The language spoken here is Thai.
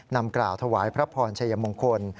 นำกล่าวถวายพระพรชัยมงคล